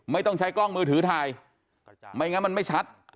ไม่ต้องใช้กล้องมือถือถ่ายไม่งั้นมันไม่ชัด